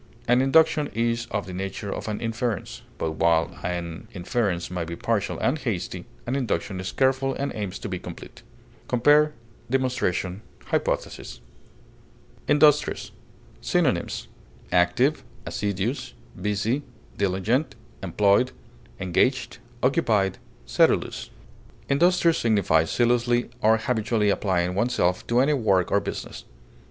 An induction is of the nature of an inference, but while an inference may be partial and hasty, an induction is careful, and aims to be complete. Compare DEMONSTRATION; HYPOTHESIS. INDUSTRIOUS. Synonyms: active, busy, employed, occupied, assiduous, diligent, engaged, sedulous. Industrious signifies zealously or habitually applying oneself to any work or business.